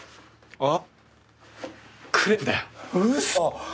あっ。